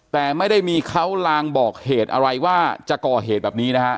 แต่ไม่ได้มีเขาลางบอกเหตุอะไรว่าจะก่อเหตุแบบนี้นะฮะ